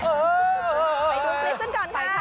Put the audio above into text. ไปดูคลิปเหลือก่อนไปค่ะ